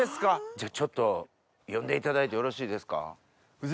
じゃあ呼んでいただいてよろしいですか？